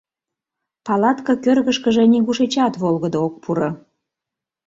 Палатке кӧргышкыжӧ нигушечат волгыдо ок пуро.